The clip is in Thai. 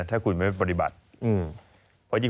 ถ้าคุณไม่ปฏิบัติ